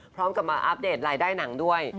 พร้อมกับมาอัปเดตรายได้หนังด้วย